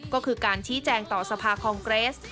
ก็คือการชี้แจงต่อสภาคองเกรส